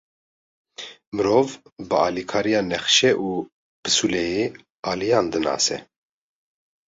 Mirov, bi alîkariya nexşe û pisûleyê aliyan dinase.